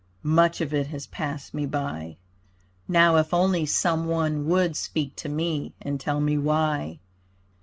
Much of it has passed me by. Now if only some one would Speak to me and tell me why.